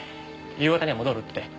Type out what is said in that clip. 夕方には戻るって。